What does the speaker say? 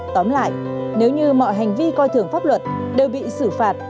tóm lại nếu như mọi hành vi coi thường pháp luật đều bị xử phạt